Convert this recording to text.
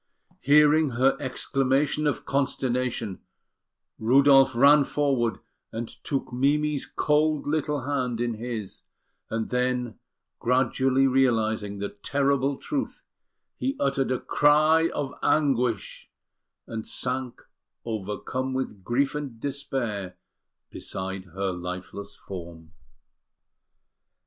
Hearing her exclamation of consternation, Rudolf ran forward and took Mimi's cold little hand in his; and then, gradually realising the terrible truth, he uttered a cry of anguish and sank, overcome with grief and despair, beside her lifeless form.